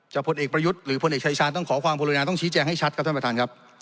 พลเอกประยุทธ์หรือพลเอกชายชาญต้องขอความกรุณาต้องชี้แจงให้ชัดครับท่านประธานครับ